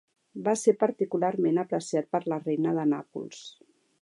Va ser particularment apreciat per la reina de Nàpols.